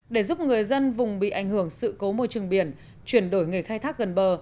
để giúp người dân vùng bị ảnh hưởng sự cố môi trường biển chuyển đổi nghề khai thác gần bờ